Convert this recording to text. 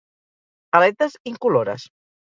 Aletes incolores.